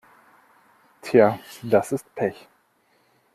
Tja, das ist Pech.